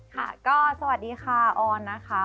ค่ะก็สวัสดีค่ะออนนะคะ